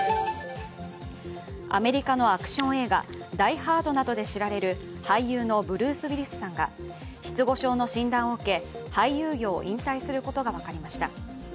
アメリカのアクション映画「ダイ・ハード」などで知られる俳優のブルース・ウィリスさんが失語症の診断を受け俳優業を引退することが分かりました。